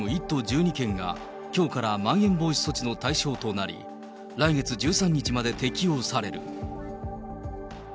１都１２県がきょうからまん延防止措置の対象となり、来月１３日まで適用される。